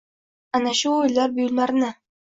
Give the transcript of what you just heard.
ana shu o‘yinlar buyumlarini